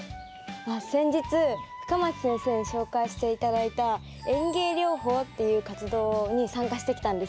あっ先日深町先生に紹介して頂いた園芸療法っていう活動に参加してきたんです。